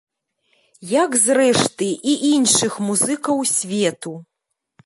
Як зрэшты і іншых музыкаў свету.